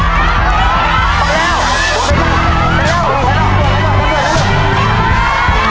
โจทย์ซีฟู้ดจำนวน๑๐ไม้